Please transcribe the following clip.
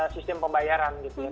sistem pembayaran gitu ya